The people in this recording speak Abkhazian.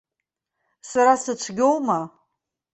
Сара сыцәгьоума?